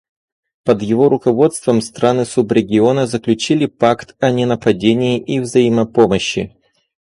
Под его руководством страны субрегиона заключили пакт о ненападении и взаимопомощи.